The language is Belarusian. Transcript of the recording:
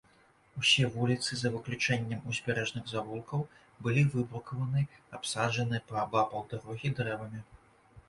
Усе вуліцы, за выключэннем узбярэжных завулкаў, былі выбрукаваны, абсаджаны паабапал дарогі дрэвамі.